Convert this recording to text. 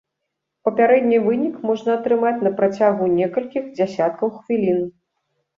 Папярэдні вынік можна атрымаць на працягу некалькіх дзясяткаў хвілін.